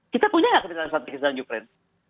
kita punya tidak kemitraan strategis dengan ukraine